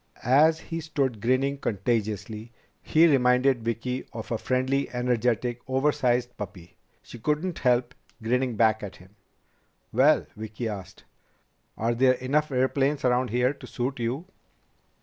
As he stood grinning contagiously, he reminded Vicki of a friendly, energetic, oversized puppy. She couldn't help grinning back at him. "Well," Vicki asked, "are there enough airplanes around here to suit you?"